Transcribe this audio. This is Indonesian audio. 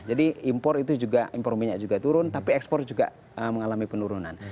jadi impor itu juga impor minyak juga turun tapi ekspor juga mengalami penurunan